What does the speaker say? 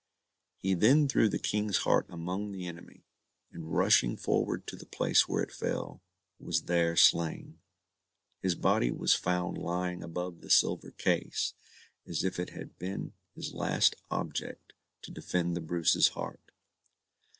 He then threw the King's heart among the enemy, and rushing forward to the place where it fell, was there slain. His body was found lying above the silver case, as if it had been his last object to defend the Bruce's heart.